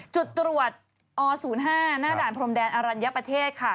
จุดตรวจอ๐๕หน้าด่านพรมแดนอรัญญประเทศค่ะ